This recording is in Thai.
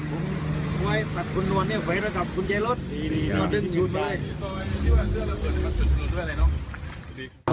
ผมไว้ตัดคุณวันนี้เฟย์น้อยขับคุณเจรสดูดึงชูดไป